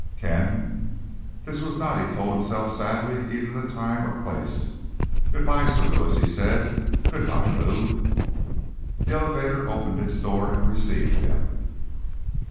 "Ken—" This was not, he told himself sadly, either the time or the place. "Goodbye, Sir Lewis," he said. "Goodbye, Lou." The elevator opened its doors and received him.